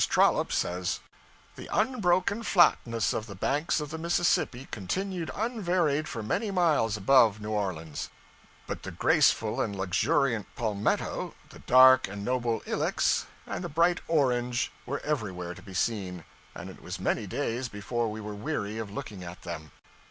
Trollope says 'The unbroken flatness of the banks of the Mississippi continued unvaried for many miles above New Orleans; but the graceful and luxuriant palmetto, the dark and noble ilex, and the bright orange, were everywhere to be seen, and it was many days before we were weary of looking at them.'